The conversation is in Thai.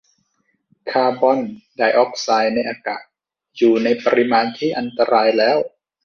คาร์บอนไดอ็อกไซด์ในอากาศ อยู่ในปริมาณที่อันตรายแล้ว